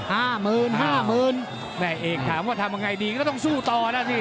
ห้าหมื่นห้าหมื่นแม่เอกถามว่าทำยังไงดีก็ต้องสู้ต่อนะสิ